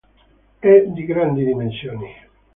È di grandi dimensioni.